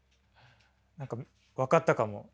何か分かったかも。